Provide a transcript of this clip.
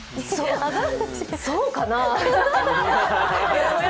そうかなぁ。